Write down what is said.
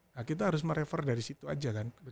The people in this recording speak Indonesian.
nah kita harus merefer dari situ aja kan